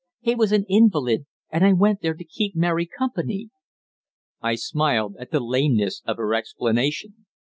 He was an invalid, and I went there to keep Mary company." I smiled at the lameness of her explanation.